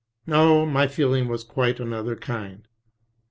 No, my feeling was of quite another kind.